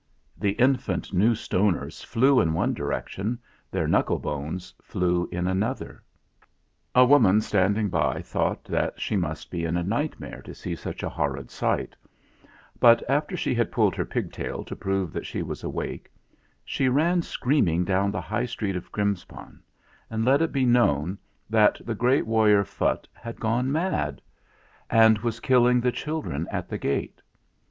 The infant New Stoners flew in one direction; their knuckle bones flew in another. A woman standing by thought that she must be in a nightmare to see such a horrid sight; but 39 40 THE FLINT HEART after she had pulled her pigtail to prove that she was awake, she ran screaming down the high street of Grimspound and let it be known that the great warrior Phutt had gone mad and was killing the children at the gate.